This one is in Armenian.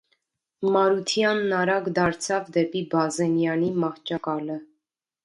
Մարությանն արագ դարձավ դեպի Բազենյանի մահճակալը: